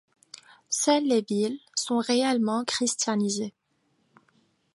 Seules les villes sont réellement christianisées.